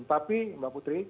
tapi mbak putri